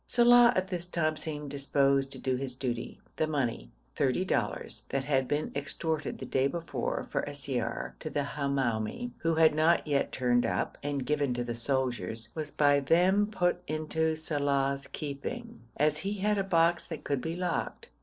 Saleh at this time seemed disposed to do his duty. The money (thirty dollars) that had been extorted the day before for siyar to the Hamoumi, who had not yet turned up, and given to the soldiers, was by them put into Saleh's keeping, as he had a box that could be locked.